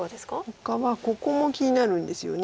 ほかはここも気になるんですよね。